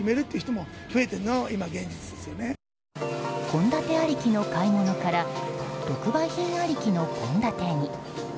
献立ありきの買い物から特売品ありきの献立に。